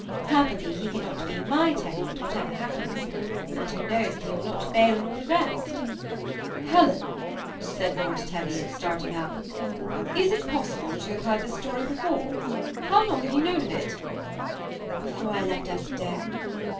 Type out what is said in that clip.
Happily he cannot be my Teviot, whatever happens; and who knows if he will not fail in all the rest!" " Helen !" said Lord Teviot, starting up, " is it pos sible that you have heard this history before? How long have you known it ?"" Before I left Eskdale."